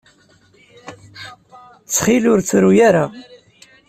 Ttxil ur ttru ara.